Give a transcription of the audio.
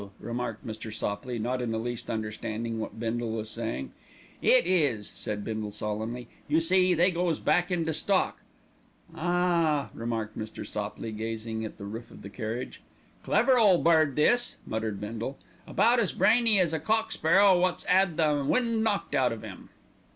remarked Mr. Sopley, not in the least understanding what Bindle was saying. "It is," said Bindle solemnly; "you see, they goes back into stock." "Ah h h h!" remarked Mr. Sopley, gazing at the roof of the carriage. "Clever ole bird this," muttered Bindle. "About as brainy as a cock sparrow wot's 'ad the wind knocked out of 'im."